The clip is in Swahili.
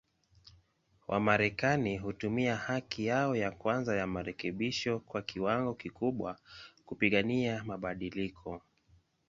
Wamarekani hutumia haki yao ya kwanza ya marekebisho kwa kiwango kikubwa, kupigania mabadiliko.